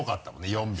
４秒。